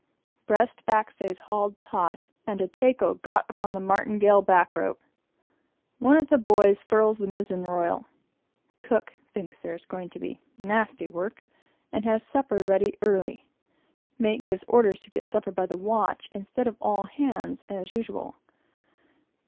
Breast backstays hauled taut, and tackle got upon the martingale back rope. One of the boys furls the mizen royal. Cook thinks there is going to be "nasty work," and has supper ready early. Mate gives orders to get supper by the watch, instead of all hands, as usual.